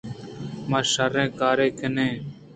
ما شریں کاراں کن ایں۔